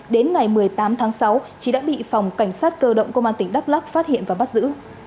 đến ngày một mươi tám tháng sáu trí đã bị phòng cảnh sát cơ động công an tỉnh đắk lắc phát hiện và bắt giữ